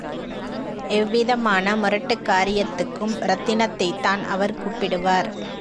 எந்தவிதமான முரட்டுக் காரியத்துக்கும் ரத்தினத்தைத்தான் அவர் கூப்பிடுவார்.